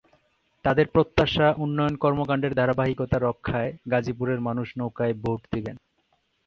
তাঁদের প্রত্যাশা, উন্নয়ন কর্মকাণ্ডের ধারাবাহিকতা রক্ষায় গাজীপুরের মানুষ নৌকায় ভোট দেবেন।